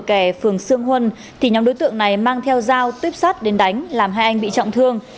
kẻ phường sương huân thì nhóm đối tượng này mang theo dao tuyếp sắt đến đánh làm hai anh bị trọng thương